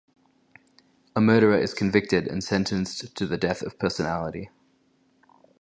A murderer is convicted and sentenced to the death of personality.